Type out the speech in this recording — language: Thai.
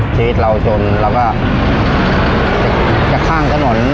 ชีวิตเราจนเราก็จะข้างถนน